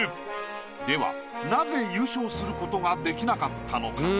ではなぜ優勝することができなかったのか？